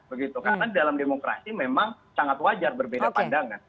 karena dalam demokrasi memang sangat wajar berbeda pandangan